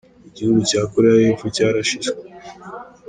Igihugu cya Koreya y’epfo cyarashinzwe.